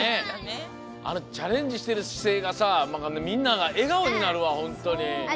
チャレンジしてるしせいがさみんながえがおになるわほんとに。